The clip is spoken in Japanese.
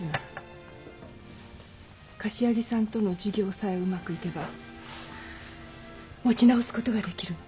柏木さんとの事業さえうまくいけば持ち直すことができるの。